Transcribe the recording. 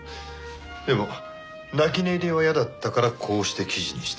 でも泣き寝入りは嫌だったからこうして記事にした。